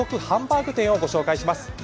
ハンバーグ店をご紹介します。